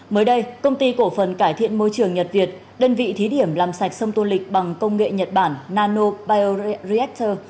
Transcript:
mới đây công ty cổ phần cải thiện môi trường nhật việt đơn vị thí điểm làm sạch sông tô lịch bằng công nghệ nhật bản nanoreactor